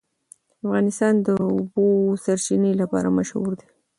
افغانستان د د اوبو سرچینې لپاره مشهور دی.